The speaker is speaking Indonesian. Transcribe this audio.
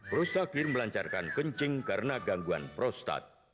prostakir melancarkan kencing karena gangguan prostat